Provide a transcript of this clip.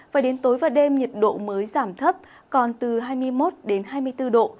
về đến tối và đêm nhiệt độ mới giảm thấp còn từ hai mươi một hai mươi bốn độ